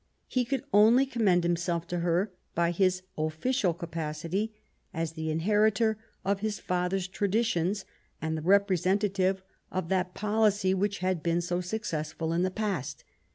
He could only com mend himself to her by his official capacity, as the inheritor to his father's traditions and the represen THE NEW ENGLAND. 251 tative of that policy which had been so successful in the past.